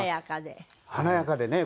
華やかでね